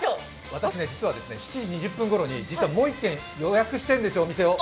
私、実は７時２０分ごろにもう１軒予約してるんです、店に。